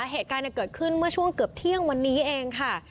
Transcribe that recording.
เหตุการณ์เกิดขึ้นเมื่อช่วงเกือบเที่ยงวันนี้เองค่ะ